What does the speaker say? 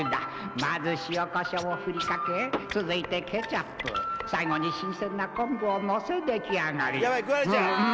「まず塩こしょうを振りかけ続いてケチャップ」「最後に新鮮な昆布をのせ出来上がり」